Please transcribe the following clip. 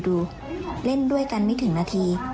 ดูเล่นด้วยกันไม่ถึงนาที